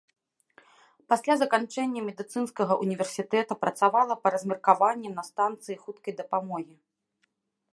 Пасля заканчэння медыцынскага ўніверсітэта працавала па размеркаванні на станцыі хуткай дапамогі.